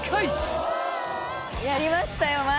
やりましたよ